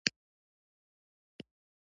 د بازار پراختیا او شخصي ګټې پکې نغښتې وې.